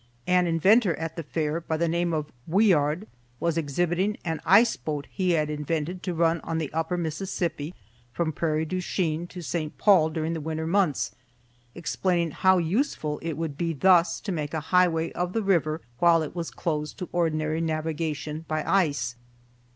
An inventor at the Fair, by the name of Wiard, was exhibiting an iceboat he had invented to run on the upper Mississippi from Prairie du Chien to St. Paul during the winter months, explaining how useful it would be thus to make a highway of the river while it was closed to ordinary navigation by ice.